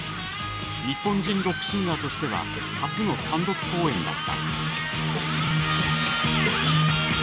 日本人ロックシンガーとしては初の単独公演だった。